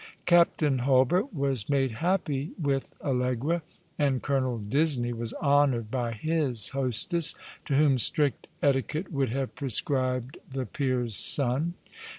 Captain Hulbert was made happy with Allegra, and Colonel Disney was honoured by his hostess, to whom strict etiquette would have prescribed the peer's son.